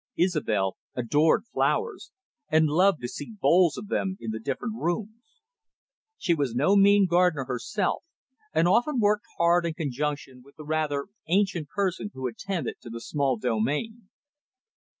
Isobel adored flowers, and loved to see bowls of them in the different rooms. She was no mean gardener herself, and often worked hard in conjunction with the rather ancient person who attended to the small domain.